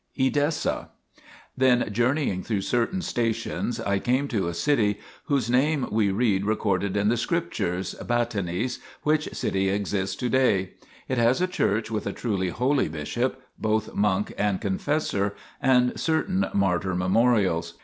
EDESSA Then, journeying through certain stations, I came to a city whose name we read recorded in the Scrip tures Batanis, 1 which city exists to day : it has a church with a truly holy bishop, both monk and con fessor, and certain martyr memorials.